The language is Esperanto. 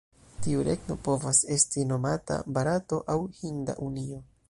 Tiu regno povas esti nomata "Barato" aŭ "Hinda Unio".